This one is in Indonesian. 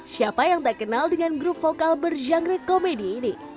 siapa yang tak kenal dengan grup vokal berjangret komedi ini